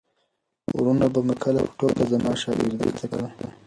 وروڼو به مې کله کله په ټوکه زما شاګردۍ ته کتل.